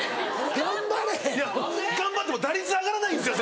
頑張れ。頑張っても打率上がらないんですよ